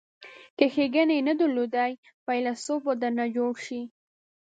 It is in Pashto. که ښیګڼې یې نه درلودلې فیلسوف به درنه جوړ شي.